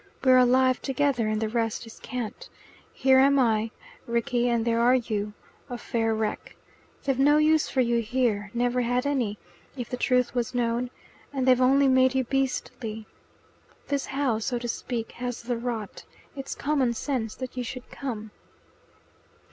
We're alive together, and the rest is cant. Here am I, Rickie, and there are you, a fair wreck. They've no use for you here, never had any, if the truth was known, and they've only made you beastly. This house, so to speak, has the rot. It's common sense that you should come."